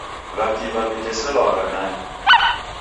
W'akiw'a w'iteselwagha nani?